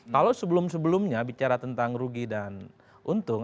kalau sebelum sebelumnya bicara tentang rugi dan untung